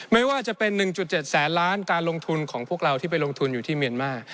ไม่ว่าจะเป็น๑๗แสนล้านการลงทุนของพวกเราที่ไปลงทุนอยู่ที่เมียนมาร์